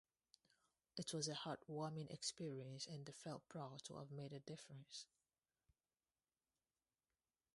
It was a heartwarming experience, and they felt proud to have made a difference.